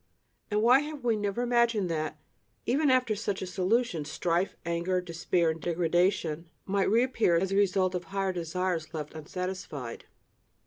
And why have we never imagined that, even after such a solution, strife, anger, despair, and degradation might reappear as a result of higher desires left unsatisfied?